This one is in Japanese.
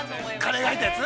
◆カレーが入ったやつ？